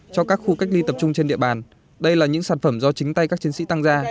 cho các khu cách ly tập trung trên địa bàn đây là những sản phẩm do chính tay các chiến sĩ tăng ra